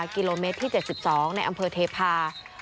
กิโลเมตรที่๗๒ในอำเภอเทพา